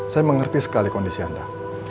saya mengerti sekali kondisi anda